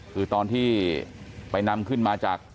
คือตอนที่ไปนำขึ้นมาจาก